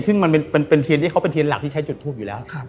ซึ่งเขาเป็นเทียนหลักที่ใช้จุดทูบอยู่แล้ว